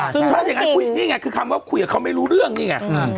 ซึ่งถ้าอย่างนั้นนี่ไงคือคำว่าคุยกับเขาไม่รู้เรื่องนี่ไง